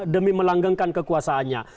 demi melanggengkan kekuasaannya